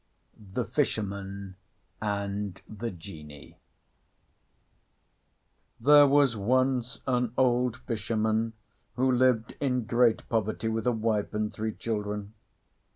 THE FISHERMAN AND THE GENIE There was once an old fisherman who lived in great poverty with a wife and three children.